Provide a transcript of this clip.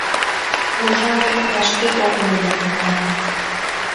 Пожале; вашке ок мондо, манам.